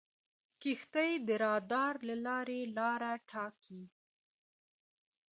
کښتۍ د رادار له لارې لاره ټاکي.